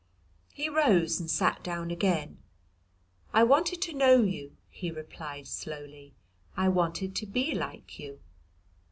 He rose and sat down again. "I wanted to know you," he replied slowly, "I wanted to be like you."